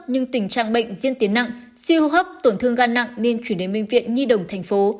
nhưng tình trạng bệnh diễn tiến nặng suy hô hấp tổn thương gan nặng nên chuyển đến bệnh viện nhi đồng tp